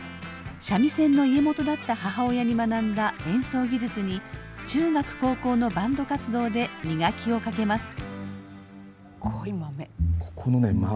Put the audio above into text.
三味線の家元だった母親に学んだ演奏技術に中学高校のバンド活動で磨きをかけます。